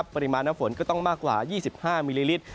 ปริมาณน้ำฝนก็ต้องมากกว่า๒๕มิลลิลิตร